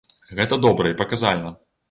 Гэта добра і паказальна.